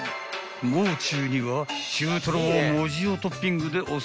［もう中には中とろを藻塩トッピングでおすすめ］